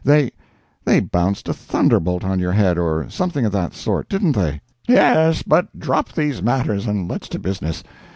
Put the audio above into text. They—they bounced a thunderbolt on your head, or something of that sort, didn't they?" "Yes, but drop these matters and let's to business.